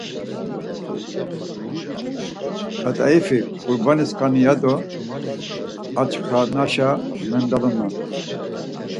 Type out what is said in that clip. Ǩat̆aifi ǩurbani skani ya do açxanaşa mendulunan.